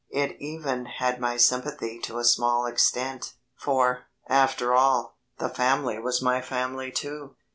It even had my sympathy to a small extent, for, after all, the family was my family too.